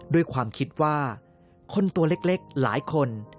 ด้วยความคิดว่าคนตัวเล็กหลายคน